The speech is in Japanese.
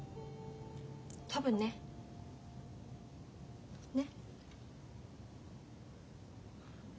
多分ね。ね？